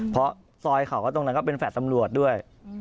เพราะซอยเขาก็ตรงนั้นก็เป็นแฟลต์ตำรวจด้วย